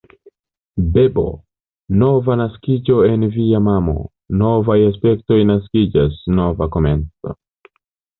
Bebo: Nova naskiĝo en via memo; novaj aspektoj naskiĝas; nova komenco.